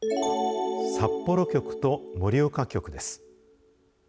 札幌局と盛岡局です。